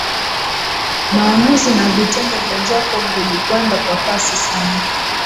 Maamuzi na vitendo vya Jacob vilikwenda kwa kasi sana